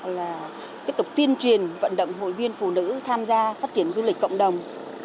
là tiếp tục tiên truyền vận động hội viên phụ nữ tham gia phát triển du lịch cộng đồng